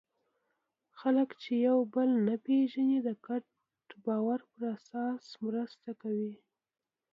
خلک چې یو بل نه پېژني، د ګډ باور په اساس مرسته کوي.